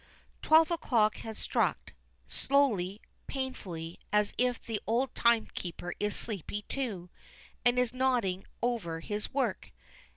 Twelve o'clock has struck, slowly, painfully, as if the old timekeeper is sleepy, too, and is nodding over his work.